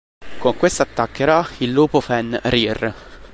Con questa attaccherà il Lupo Fenrir.